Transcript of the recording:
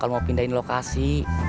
kalau mau pindahin lokasi